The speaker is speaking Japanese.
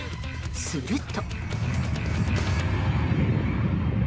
すると。